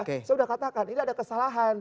saya sudah katakan ini ada kesalahan